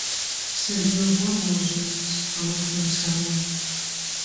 Seguir algú amb els ulls, amb el pensament.